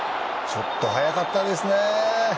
ちょっと早かったですね。